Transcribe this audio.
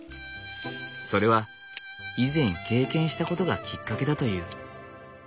それは以前経験したことがきっかけだという。